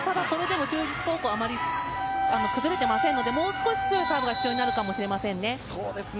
それでも就実高校はあまり崩れていませんのでもう少し強さが必要になるかもしれません。